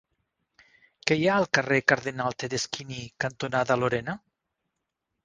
Què hi ha al carrer Cardenal Tedeschini cantonada Lorena?